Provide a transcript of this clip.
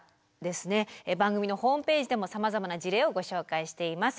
番組のホームページでもさまざまな事例をご紹介しています。